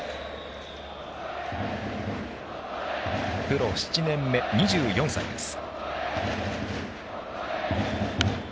プロ７年目、２４歳です。